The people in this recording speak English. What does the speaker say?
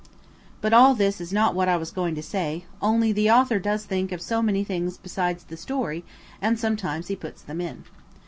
But all this is not what I was going to say, only the author does think of so many things besides the story, and sometimes he puts them in.